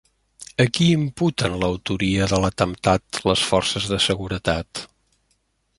A qui imputen l'autoria de l'atemptat les forces de seguretat?